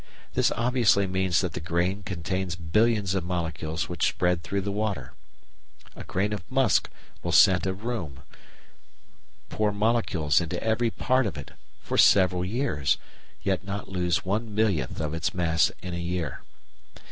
This obviously means that the grain contains billions of molecules which spread through the water. A grain of musk will scent a room pour molecules into every part of it for several years, yet not lose one millionth of its mass in a year.